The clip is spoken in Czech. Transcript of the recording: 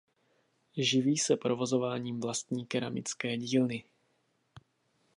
Živí se provozováním vlastní keramické dílny.